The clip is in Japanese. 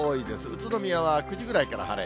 宇都宮は９時ぐらいから晴れ。